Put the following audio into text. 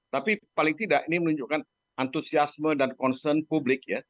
tapi paling tidak ini menunjukkan antusiasme dan concern publik ya